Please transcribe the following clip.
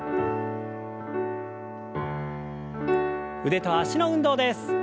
腕と脚の運動です。